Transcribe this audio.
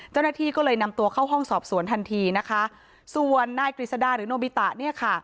เจ้าหน้าที่ก็เลยนำตัวเข้าห้องสอบสวนทันทีนะคะส่วนนายกฤษดาหรือโนบิตะเนี่ยค่ะ